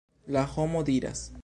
La homo diras.